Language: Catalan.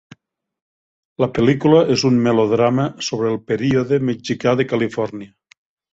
La pel·lícula és un melodrama sobre el període mexicà de Califòrnia.